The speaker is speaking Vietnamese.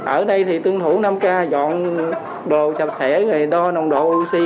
ở đây thì tương thủ năm k dọn đồ sạp sẻ đo nồng độ oxy